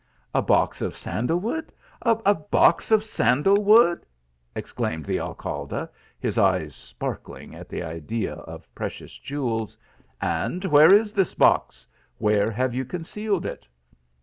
"A box of sandal wood ! a box of sandal wood !" exclaimed the Alcalde, his eyes sparkling at the idea of precious jewels, " and where is this box? where have you concealed it